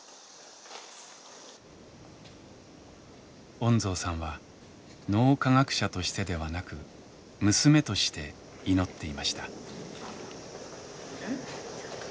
恩蔵さんは脳科学者としてではなく娘として祈っていました。